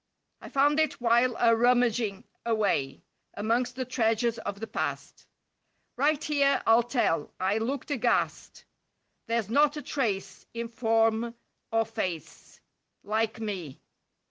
I found it while a rummaging away Amongst the treasures of the past. Right here I'll tell, I looked aghast! There's not a trace In form or face— Like me.